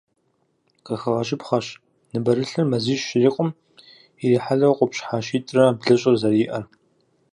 Къыхэгъэщыпхъэщ ныбэрылъыр мазищ щрикъум ирихьэлӏэу къупщхьэ щитӏрэ блыщӏыр зэриӏэр.